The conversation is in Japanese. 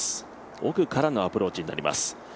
奥からのアプローチになります。